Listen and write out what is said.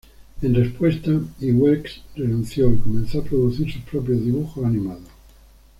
En respuesta, Iwerks renunció y comenzó a producir sus propios dibujos animados.